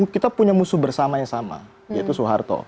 kita punya musuh bersama yang sama yaitu soeharto